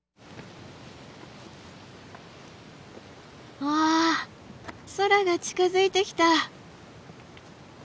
うわ空が近づいてきた！